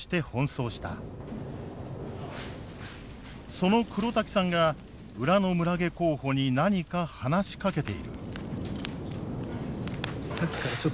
その黒滝さんが裏の村下候補に何か話しかけている。